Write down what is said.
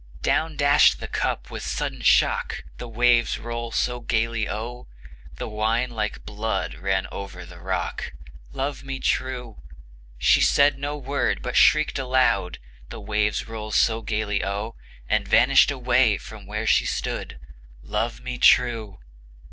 Down dashed the cup, with a sudden shock, The waves roll so gayly O, The wine like blood ran over the rock, Love me true! She said no word, but shrieked aloud, The waves roll so gayly O, And vanished away from where she stood, Love me true!